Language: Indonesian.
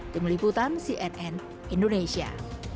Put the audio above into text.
tim liputan cnn indonesia